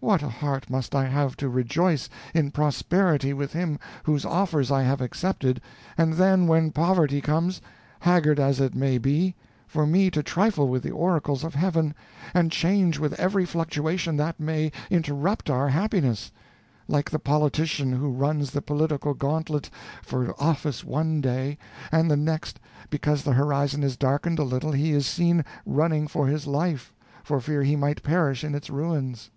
What a heart must I have to rejoice in prosperity with him whose offers I have accepted, and then, when poverty comes, haggard as it may be, for me to trifle with the oracles of Heaven, and change with every fluctuation that may interrupt our happiness like the politician who runs the political gantlet for office one day, and the next day, because the horizon is darkened a little, he is seen running for his life, for fear he might perish in its ruins.